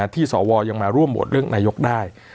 ที่สวร์อย่างมาร่วมโหวตเรื่องนัยยกได้